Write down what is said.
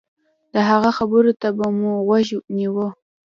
د هغه خبرو ته به مو غوږ نيوه.